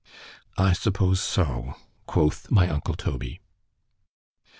—I suppose so, quoth my uncle _Toby.